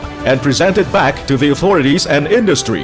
dan dipersembahkan ke pemerintah dan industri